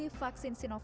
eling dan articulasi alur